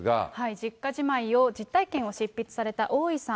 実家じまいを、実体験を執筆された大井さん。